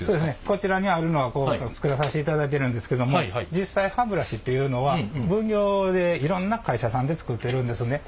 こちらにあるのは作らさせていただいてるんですけども実際いろんな会社さんで作ってるんですね。